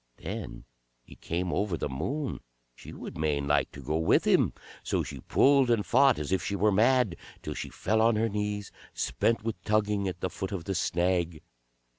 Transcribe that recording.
Then it came over the Moon, she would main like to go with him. So she pulled and fought as if she were mad, till she fell on her knees, spent with tugging, at the foot of the snag.